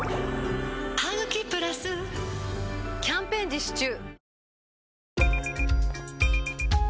「ハグキプラス」キャンペーン実施中